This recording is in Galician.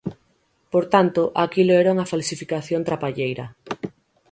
Por tanto, aquilo era unha falsificación trapalleira.